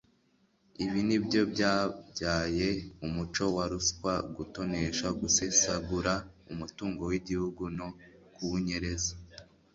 Ibi ni byo byabyaye umuco wa ruswa, gutonesha, gusesagura umutungo w'igihugu no kuwunyereza.